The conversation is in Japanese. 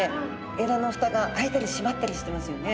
えらの蓋が開いたり閉まったりしてますよね。